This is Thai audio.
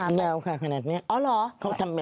ยาวค่ะขนาดนี้